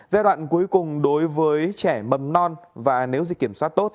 giai đoạn cuối cùng đối với trẻ mầm non và nếu dịch kiểm soát tốt